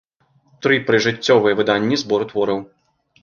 Тры прыжыццёвыя выданні збору твораў.